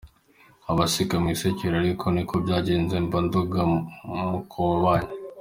Abaseka mwisekere ariko niko byagenze mba ndoga Mukobanya.